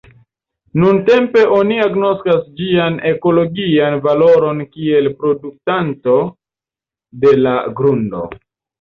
Nuntempe oni agnoskas ĝian ekologian valoron kiel protektanto de la grundo.